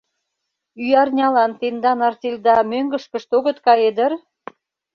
— Ӱярнялан тендан артельда мӧҥгышкышт огыт кае дыр?